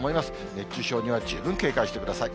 熱中症には十分警戒してください。